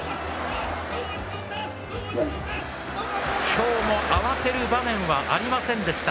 今日も慌てる場面はありませんでした。